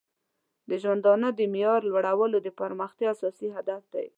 د ژوندانه د معیار لوړول د پرمختیا اساسي هدف دی.